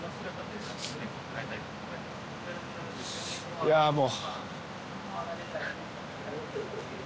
いやあ、もう。